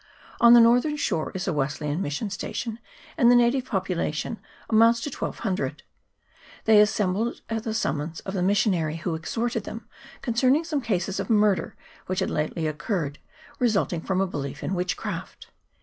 On the northern shore is a Wesleyan mission station, and the native population amounts to 1200. They assembled at the summons of the missionary, who exhorted them concerning some cases of murder which had lately occurred, resulting from a belief in witchcraft.